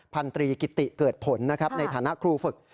พันธรีกิติเกิดผลนะครับในฐานะครูฝึก